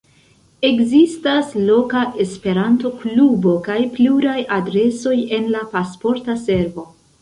Ekzistas loka Esperanto-klubo kaj pluraj adresoj en la Pasporta Servo.